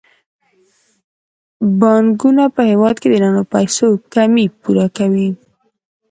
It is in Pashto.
بانکونه په هیواد کې د نغدو پيسو کمی پوره کوي.